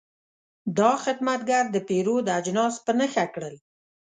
دا خدمتګر د پیرود اجناس په نښه کړل.